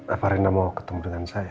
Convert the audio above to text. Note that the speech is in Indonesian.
apa rena mau ketemu dengan saya